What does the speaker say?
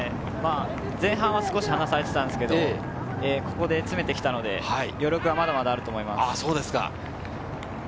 前半少し離されていたんですけれど、ここで詰めてきたので、余力はまだまだあると思います。